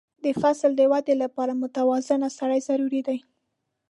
د فصل د وده لپاره متوازنه سرې ضروري دي.